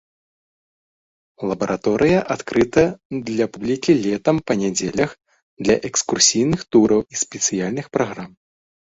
Лабараторыя адкрыта для публікі летам па нядзелях для экскурсійных тураў і спецыяльных праграм.